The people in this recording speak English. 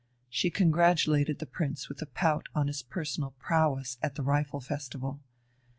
She congratulated the Prince with a pout on his personal prowess at the rifle festival.